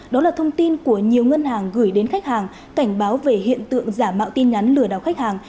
đó là thông tin của nhiều ngân hàng gửi đến khách hàng cảnh báo về hiện tượng giả mạo tin nhắn lừa đảo khách hàng